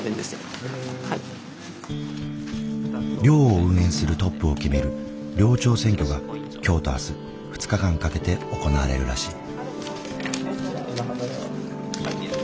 寮を運営するトップを決める寮長選挙が今日と明日２日間かけて行われるらしい。